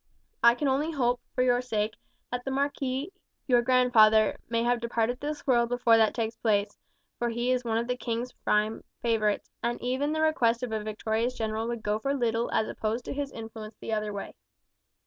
I can only hope, for your sake, that the marquis, your grandfather, may have departed this world before that takes place, for he is one of the king's prime favourites, and even the request of a victorious general would go for little as opposed to his influence the other way.